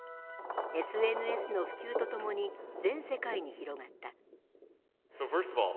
ＳＮＳの普及とともに全世界に広がった。